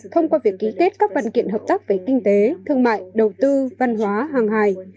thông qua việc ký kết các văn kiện hợp tác về kinh tế thương mại đầu tư văn hóa hàng hài